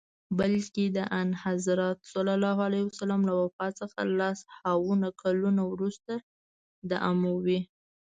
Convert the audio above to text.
بلکه د آنحضرت ص له وفات څخه لس هاوو کلونه وروسته د اموي.